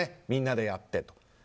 みんなでやって。